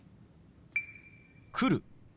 「来る」。